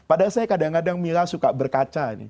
padahal saya kadang kadang mila suka berkaca ini